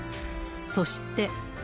そして。